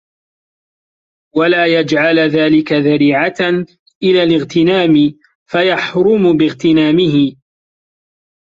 وَلَا يَجْعَلَ ذَلِكَ ذَرِيعَةً إلَى الِاغْتِنَامِ فَيَحْرُمُ بِاغْتِنَامِهِ